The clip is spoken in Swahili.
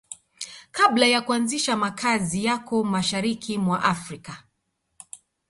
Kabla ya kuanzisha makazi yako Mashariki mwa Afrika